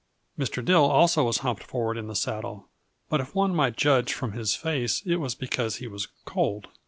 Mr. Dill also was humped forward in the saddle, but if one might judge from his face it was because he was cold.